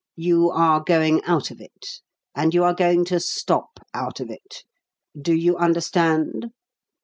You are going out of it, and you are going to stop out of it. Do you understand?